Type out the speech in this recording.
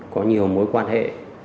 có nhiều mối quan hệ